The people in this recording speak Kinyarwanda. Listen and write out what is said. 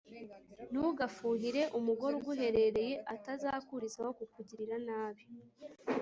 Ntugafuhire umugore uguherereye, atazakurizaho kukugirira nabi